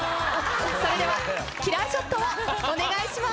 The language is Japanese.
それではキラーショットをお願いします。